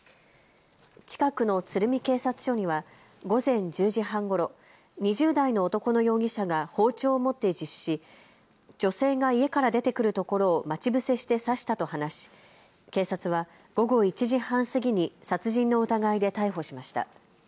近くの鶴見警察署には午前１０時半ごろ、２０代の男の容疑者が包丁を持って自首し女性が家から出てくるところを待ち伏せして刺したと話し警察は午後１時半過ぎに殺人の疑いで逮捕しました。